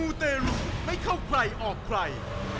เตรุไม่เข้าใครออกใคร